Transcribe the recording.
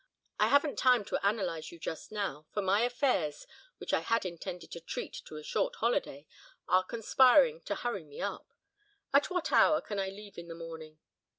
I haven't time to analyse you, just now, for my affairs, which I had intended to treat to a short holiday, are conspiring to hurry me up. At what hour can I leave in the morning?"